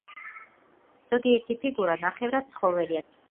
ზოგიერთი ფიგურა ნახევრად ცხოველია, ნახევრად ადამიანი.